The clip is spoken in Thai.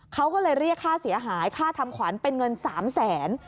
เขาก็เลยเรียกค่าเสียหายค่าทำขวัญเป็นเงิน๓แสน